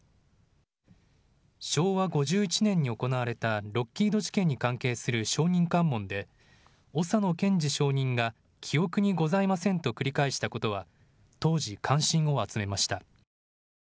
昭和５１年に行われたロッキード事件に関係する証人喚問で小佐野賢治証人が記憶にございませんと繰り返したことは当時、関心を集めました。